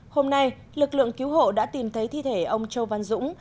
hôm nay lực lượng cứu hộ đã tìm thấy thi thể ông châu văn dũng